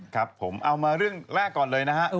ครับผมเอามาเรื่องแรกก่อนเลยนะฮะ